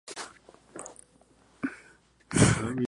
Otra de sus pasiones fue el tango.